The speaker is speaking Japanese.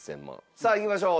さあいきましょう。